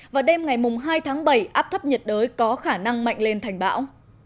và đêm ngày hai tháng bảy áp thấp nhiệt đới có khả năng mạnh lên thành bão